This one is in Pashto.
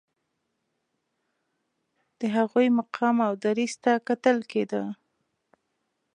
د هغوی مقام او دریځ ته کتل کېده.